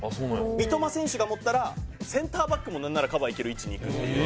三笘選手が持ったらセンターバックもなんならカバー行ける位置に行くっていう。